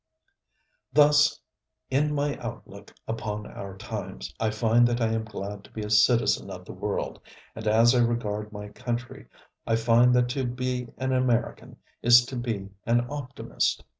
Thus in my outlook upon our times I find that I am glad to be a citizen of the world, and as I regard my country, I find that to be an American is to be an optimist.